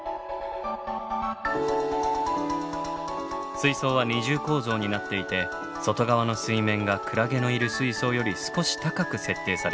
水槽は二重構造になっていて外側の水面がクラゲのいる水槽より少し高く設定されています。